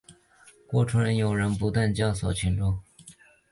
过程中有人不断教唆群众